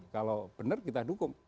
kalau benar kita dukung